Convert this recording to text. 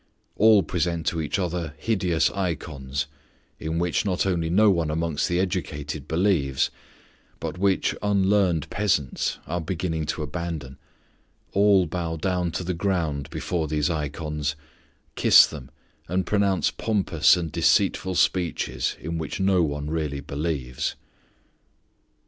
All present to each other hideous ikons in which not only no one amongst the educated believes, but which unlearned peasants are beginning to abandon; all bow down to the ground before these ikons, kiss them, and pronounce pompous and deceitful speeches in which no one really believes.